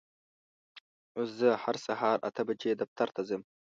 زه هر سهار اته بجې دفتر ته ځم.